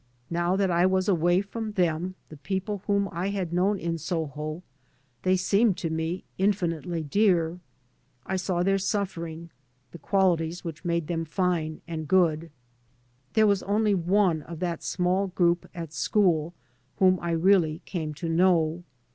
Now that I was away from them the people whom I had known in Soho, . they seemed to me infinitely dear. I saw their suffering, the qualities which made them fine and good. There was only one of that small group at school whom I really came to know.